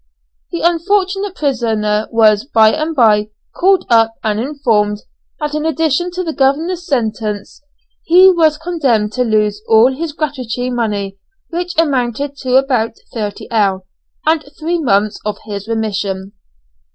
The unfortunate prisoner was by and bye called up and informed that in addition to the governor's sentence he was condemned to lose all his gratuity money, which amounted to about 3_l._, and three months of his remission.